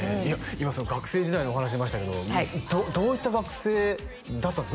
今学生時代のお話ありましたけどどういった学生だったんです？